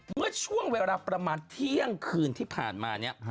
เมื่อช่วงเวลาประมาณเที่ยงคืนที่ผ่านมาเนี่ย